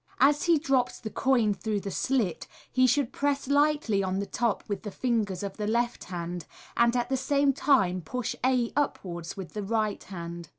As he drops the coin through the slit, he should press lightly on the top with the fingers of the left hand, and at the sane time push c upwards wi'h the right hand.